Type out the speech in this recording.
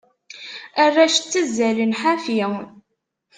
Arrac ttazallen ḥafi.